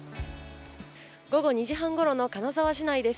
午後２時半ごろの金沢市内です。